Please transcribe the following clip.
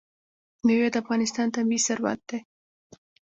مېوې د افغانستان طبعي ثروت دی.